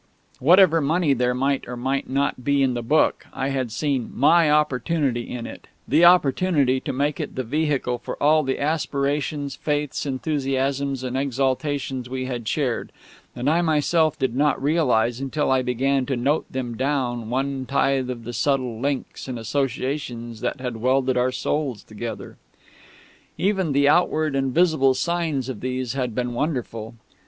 Whatever money there might or might not be in the book, I had seen my opportunity in it the opportunity to make it the vehicle for all the aspirations, faiths, enthusiasms, and exaltations we had shared; and I myself did not realise until I began to note them down one tithe of the subtle links and associations that had welded our souls together. Even the outward and visible signs of these had been wonderful.